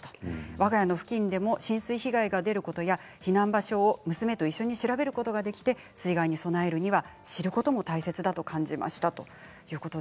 わが家の付近でも浸水被害が出ることや避難場所を娘と一緒に調べることができて水害に備えるには知ることも大切だと感じました。